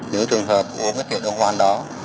những trường hợp uống cái tiểu đường hoàng đó